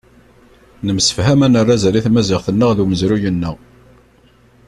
Nemsefham ad nerr azal i tmaziɣt-nneɣ d umezruy-nneɣ.